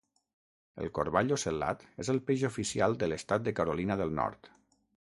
El corball ocel·lat és el peix oficial de l'estat de Carolina del Nord.